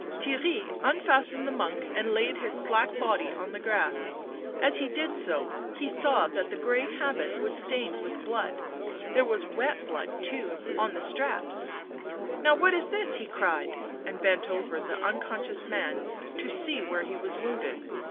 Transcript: Theirry unfastened the monk and laid his slack body on the grass ; as he did so he saw that the grey habit was stained with blood, there was wet blood, too, on the straps. " Now what is this 1 ?" he cried, and bent over the unconscious man to see where he was wounded.